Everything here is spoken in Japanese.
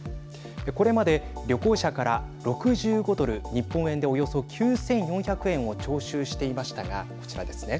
これまで旅行者から６５ドル日本円で、およそ９４００円を徴収していましたがこちらですね。